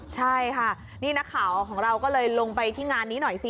ใช่ค่ะนี่นักข่าวของเราก็เลยลงไปที่งานนี้หน่อยสิ